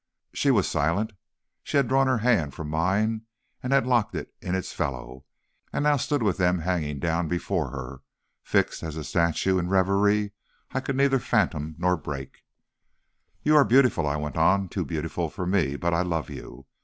"She was silent; she had drawn her hand from mine and had locked it in its fellow, and now stood with them hanging down before her, fixed as a statue, in a reverie I could neither fathom nor break. "'You are beautiful,' I went on, 'too beautiful for me; but I love you.